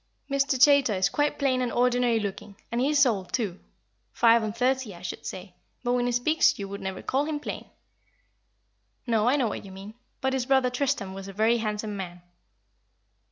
Mr. Chaytor is quite plain and ordinary looking, and he is old, too, five and thirty, I should say; but when he speaks you would never call him plain." "No, I know what you mean. But his brother Tristram was a very handsome man."